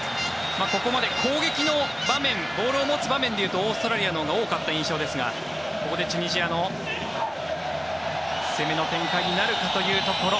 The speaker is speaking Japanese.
ここまで攻撃の場面ボールを持つ場面でいうとオーストラリアのほうが多かった印象ですがここでチュニジアの攻めの展開になるかというところ。